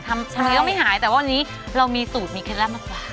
ทำไมต้องไม่หายแต่ว่าวันนี้เรามีสูตรมีเคล็ดลับมาฝาก